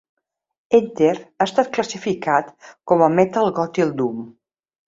"Enter" ha estat classificat com a metal gòtic/doom.